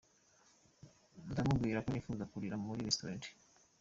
Ndamubwira ko nipfuza kurira muri "restaurant".